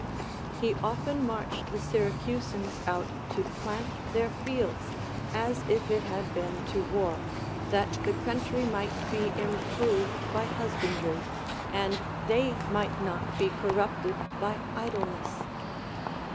He often marched the Syracusans out to plant their fields, as if it had been to Avar, that the country might be improved by husbandry, and they might not be corrupted by idleness.